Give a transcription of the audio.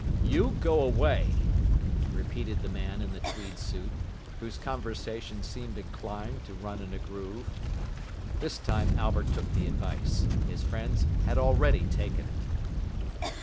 "You go away," repeated the man in the tweed suit, whose conversation seemed inclined to run in a groove. This time Albert took the advice. His friends had already taken it.